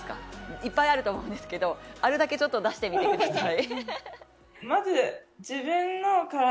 いっぱいあると思うんですけどあるだけちょっと出してみてください。